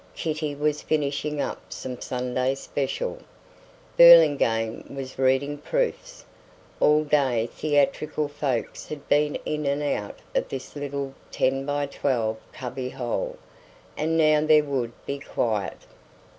Kitty was finishing up some Sunday special. Burlingame was reading proofs. All day theatrical folks had been in and out of this little ten by twelve cubby hole; and now there would be quiet.